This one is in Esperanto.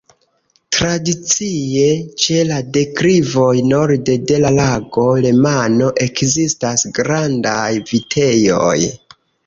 Tradicie ĉe la deklivoj norde de la Lago Lemano ekzistas grandaj vitejoj.